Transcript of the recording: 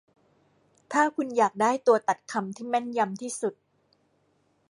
ถ้าคุณอยากได้ตัวตัดคำที่แม่นยำที่สุด